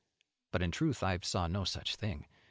But in truth I saw no such thing.